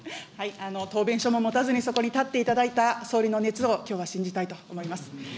答弁書も持たずにそこに立っていただいた総理の熱を、きょうは信じたいと思います。